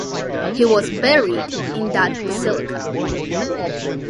He was buried in that basilica.